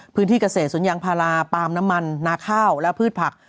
พื้นที่เกษตรสวนยางพาราปาล์มน้ำมันนาข้าวและพืชผัก